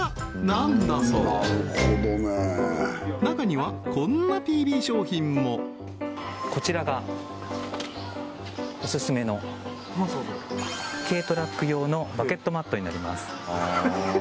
なんだそう中にはこんなＰＢ商品もこちらがオススメの軽トラック用のバケットマットになります